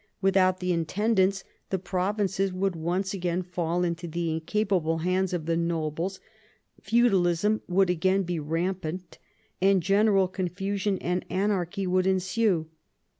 With out the intendants the provinces would once again fall into the incapable hands of the nobles, feudalism would again be rampant, and general confusion and anarchy would ensue.